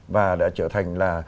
và đã trở thành là